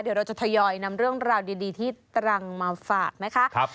เดี๋ยวเราจะทยอยนำเรื่องราวดีที่ตรังมาฝากนะคะ